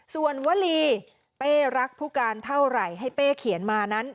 ส่วนวลีเป้รักผู้การเท่าไหร่ให้เป้เขียนมานั้น